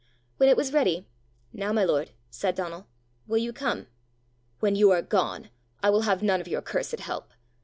When it was ready, "Now, my lord," said Donal, "will you come?" "When you are gone. I will have none of your cursed help!"